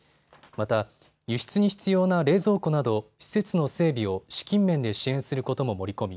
また輸出に必要な冷蔵庫など施設の整備を資金面で支援することも盛り込み